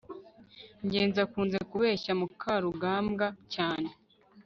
ngenzi akunze kubeshya mukarugambwa cyane